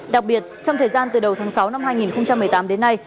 đặc biệt trong thời gian từ đầu tháng sáu năm hai nghìn một mươi tám đến nay